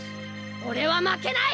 俺は負けない！